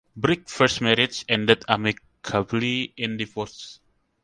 Briggs first marriage ended amicably in divorce.